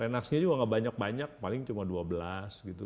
renaksinya juga gak banyak banyak paling cuma dua belas gitu